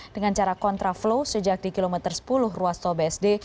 dengan cara kontra flow sejak di km sepuluh ruas tol bsd